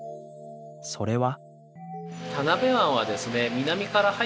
それは。